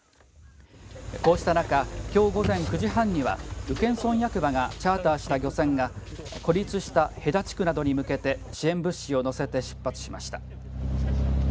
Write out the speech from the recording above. こうした中きょう午前９時半には宇検村役場がチャーターした漁船が孤立した平田地区などに向けて支援物資を乗せて出発しました。